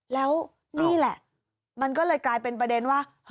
แล้วนี่แหละมันก็เลยกลายเป็นประเด็นว่า